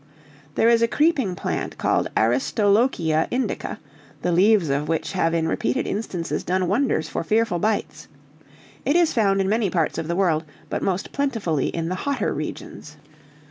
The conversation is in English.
There is a creeping plant, called Aristolochia indica, the leaves of which have in repeated instances done wonders for fearful bites. It is found in many parts of the world, but most plentifully in the hotter regions.